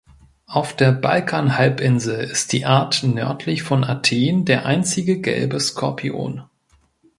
Auf der Balkanhalbinsel ist die Art nördlich von Athen der einzige gelbe Skorpion.